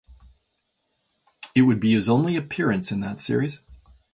It would be his only appearance in that Series.